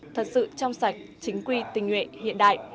thật sự trong sạch chính quy tình nguyện hiện đại